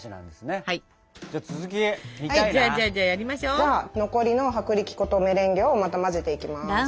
じゃあ残りの薄力粉とメレンゲをまた混ぜていきます。